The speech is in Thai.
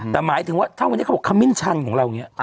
แต่หมายถึงว่าถ้าวันนี้เขาบอกขมิ้นชันของเราอย่างนี้